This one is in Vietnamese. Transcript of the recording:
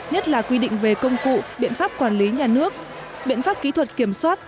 nhất là quy định về công cụ biện pháp quản lý nhà nước biện pháp kỹ thuật kiểm soát